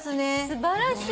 素晴らしい。